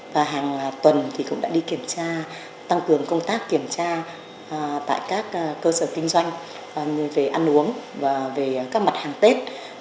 và hàng tuần cũng đã đi kiểm tra tăng cường công tác kiểm tra tại các cơ sở kinh doanh về ăn uống và về các mặt hàng tết